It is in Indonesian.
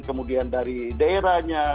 kemudian dari daerahnya